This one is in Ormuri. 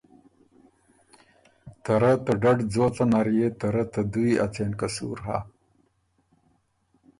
ته رۀ ته ډډ ځوڅن نر يې ته رۀ ته دُوی ا څېن قصور هۀ؟